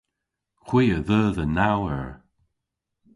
Hwi a dheu dhe naw eur.